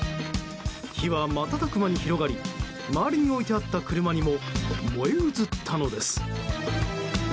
火は瞬く間に広がり周りに置いてあった車にも燃え移ったのです。